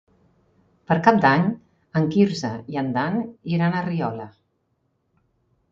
Per Cap d'Any en Quirze i en Dan iran a Riola.